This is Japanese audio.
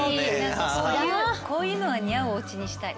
こういうのが似合うおうちにしたい。